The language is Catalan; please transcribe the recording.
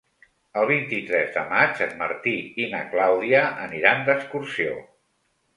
El vint-i-tres de maig en Martí i na Clàudia aniran d'excursió.